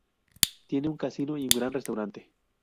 Tiene un Casino y un gran restaurante.